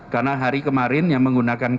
karena hari kemarin yang menggunakan kata